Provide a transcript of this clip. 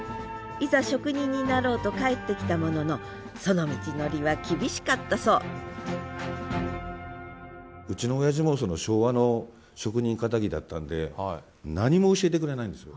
いざ職人になろうと帰ってきたもののその道のりは厳しかったそううちのおやじも昭和の職人かたぎだったんで何も教えてくれないんですよ。